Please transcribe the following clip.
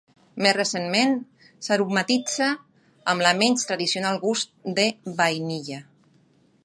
Més recentment s'aromatitza amb el menys tradicional gust de vainilla.